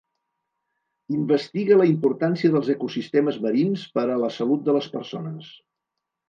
Investiga la importància dels ecosistemes marins per a la salut de les persones.